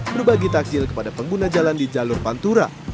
berbagi takjil kepada pengguna jalan di jalur pantura